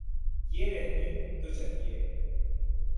یہ رہنی تو چاہیے۔